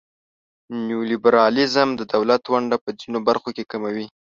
نیولیبرالیزم د دولت ونډه په ځینو برخو کې کموي.